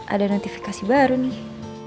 ada notifikasi baru nih